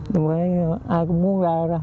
nhưng mà ai cũng muốn ra ra